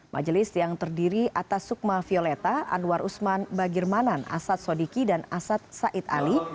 majelis yang terdiri atas sukma violeta anwar usman bagirmanan asad sodiki dan asad said ali